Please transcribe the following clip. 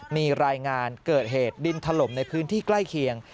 มีรายงานเกิดเหตุดินถล่มในพื้นที่ใกล้เคียง